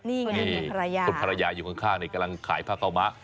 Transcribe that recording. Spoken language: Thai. นี่ไงคนภรรยาคนภรรยาอยู่ข้างกำลังขายผ้าข้าวมะ